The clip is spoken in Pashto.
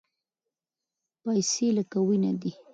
پیسې لکه وینه دي.